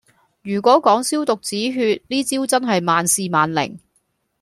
如果講消毒止血，呢招真係萬試萬靈